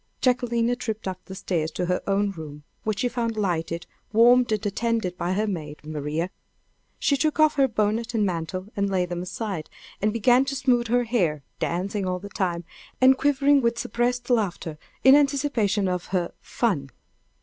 Jacquelina tripped up the stairs to her own room, which she found lighted, warmed, and attended by her maid, Maria. She took off her bonnet and mantle, and laid them aside, and began to smooth her hair, dancing all the time, and quivering with suppressed laughter in anticipation of her "fun."